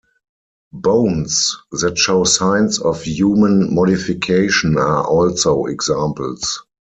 Bones that show signs of human modification are also examples.